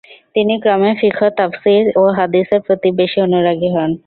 তিনি ক্রমে ফিকহ, তাফসীর ও হাদিসের প্রতি বেশি অনুরাগী হন।